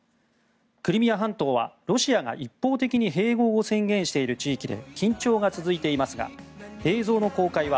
クリミア半島はロシアが一方的に併合を宣言している地域で緊張が続いていますが映像の公開は